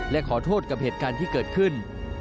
และขอโทษกับเหตุการณ์ที่เกิดขึ้น